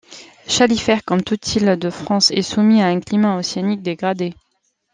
Chalifert comme toute l'Île-de-France est soumis à un climat océanique dégradé.